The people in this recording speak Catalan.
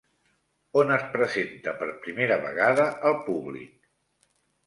On es presenta per primera vegada al públic?